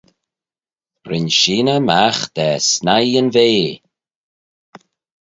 Ren sheeyney magh da snaie yn vea.